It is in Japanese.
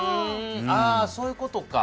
あそういう事か。